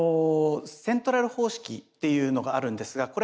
セントラル方式というのがあるんですが。